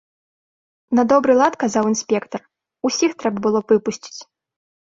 На добры лад, казаў інспектар, усіх трэба было б выпусціць.